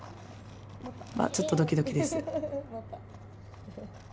まあちょっとドキドキです。